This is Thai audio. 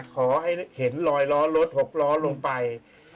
ขอให้เห็นลอยล้อรถ๖ล้อลงไป